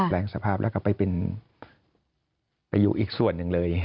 แรงสภาพแล้วก็ไปอยู่อีกส่วนหนึ่งเลย